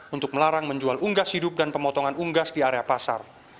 untuk melarang menjual unggas hidup dan pemotongan unggas di area pasar